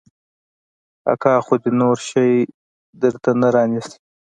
اکا خو دې نور شى درته نه رانيسي.